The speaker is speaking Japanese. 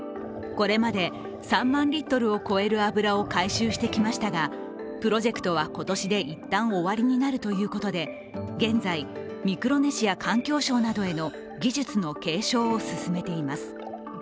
これまで３万リットルを超える油を回収してきましたがプロジェクトは今年で一旦、終わりになるということで現在、ミクロネシア環境省などへの技術の継承を進めています。